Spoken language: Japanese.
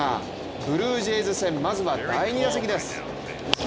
ブルージェイズ戦、まずは第２打席です。